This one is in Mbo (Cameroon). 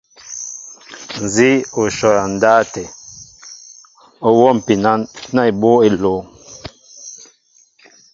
Nzi o shɔ ya ndáw até, i o nwómpin na eboy elúŋ.